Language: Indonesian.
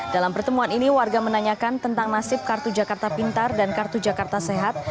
dalam pertemuan ini warga menanyakan tentang nasib kartu jakarta pintar dan kartu jakarta sehat